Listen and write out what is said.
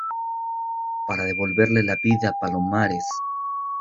para devolverle la vida a Palomares?